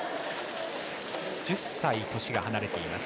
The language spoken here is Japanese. １０歳、年が離れています。